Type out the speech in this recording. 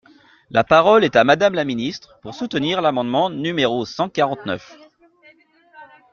La parole est à Madame la ministre, pour soutenir l’amendement numéro cent quarante-neuf.